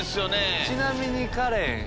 ちなみにカレン